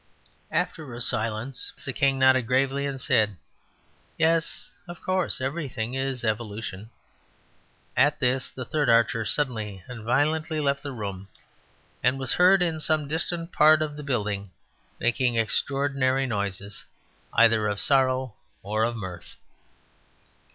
After a silence the king nodded gravely and said, "Yes; of course everything is evolution." At this the third archer suddenly and violently left the room, and was heard in some distant part of the building making extraordinary noises either of sorrow or of mirth.